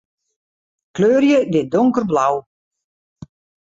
Kleurje dit donkerblau.